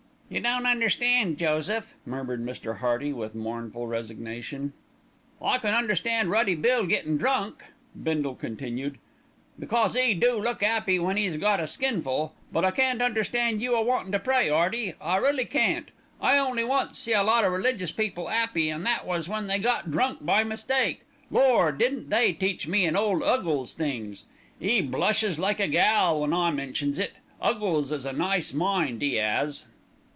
"You don't understand, Joseph," murmured Mr. Hearty with mournful resignation. "I can understand Ruddy Bill gettin' drunk," Bindle continued, "because 'e do look 'appy when 'e's got a skin full; but I can't understand you a wantin' to pray, 'Earty, I can't really. I only once see a lot o' religious people 'appy, an' that was when they got drunk by mistake. Lord, didn't they teach me an' ole 'Uggles things! 'E blushes like a gal when I mentions it. 'Uggles 'as a nice mind, 'e 'as.